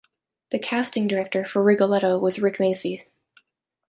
The casting director for Rigoletto was Rick Macy.